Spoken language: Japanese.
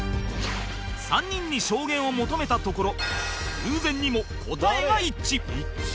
３人に証言を求めたところ偶然にも答えが一致